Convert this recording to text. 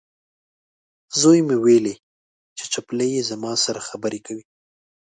زوی مې وویلې، چې چپلۍ یې زما سره خبرې کوي.